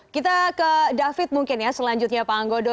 kita ke david mungkin ya selanjutnya pak anggodo